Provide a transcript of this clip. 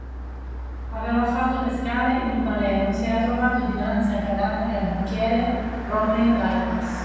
Aveva fatto le scale in un baleno e si era trovato dinanzi al cadavere e al banchiere Romney Bypass